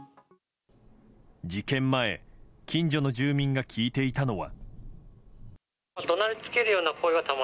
事件前、近所の住民が聞いていたのは。